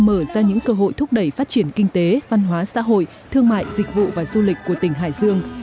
mở ra những cơ hội thúc đẩy phát triển kinh tế văn hóa xã hội thương mại dịch vụ và du lịch của tỉnh hải dương